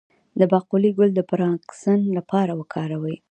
د باقلي ګل د پارکنسن لپاره وکاروئ